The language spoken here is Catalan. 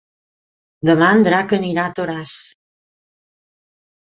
Demà en Drac anirà a Toràs.